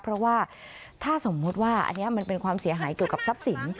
เพราะว่าถ้าสมมุติว่าอันนี้มันเป็นความเสียหายเกี่ยวกับทรัพย์สิน